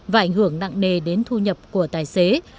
và ảnh hưởng nặng nề đến thu nhập của tài xế